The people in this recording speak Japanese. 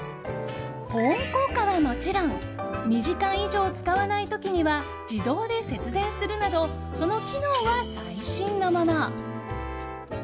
保温効果はもちろん２時間以上使わない時には自動で節電するなどその機能は最新のもの。